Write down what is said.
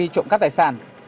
trộm cắp tài sản